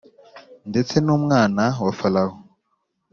Ndetse n umwana wa Farawo